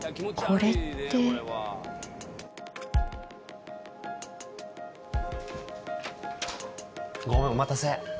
これってごめんお待たせ。